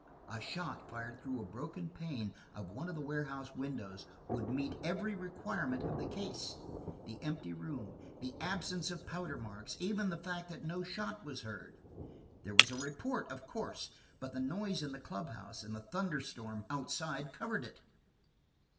A shot fired through a broken pane of one of the warehouse windows would meet every requirement of the case: the empty room, the absence of powder marks–even the fact that no shot was heard. There was a report, of course, but the noise in the clubhouse and the thunder storm outside covered it!"